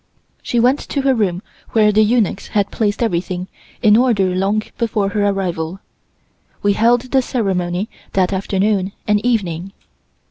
She went to her room where the eunuchs had placed everything in order long before her arrival. We held the ceremony that afternoon and evening.